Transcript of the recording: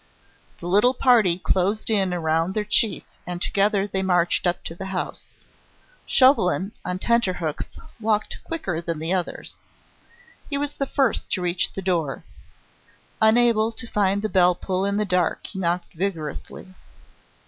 The little party closed in around their chief and together they marched up to the house. Chauvelin, on tenterhooks, walked quicker than the others. He was the first to reach the door. Unable to find the bell pull in the dark, he knocked vigorously.